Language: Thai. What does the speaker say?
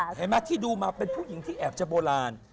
เห็นไหมที่ดูมาเป็นผู้หญิงที่แอบจะโบราณ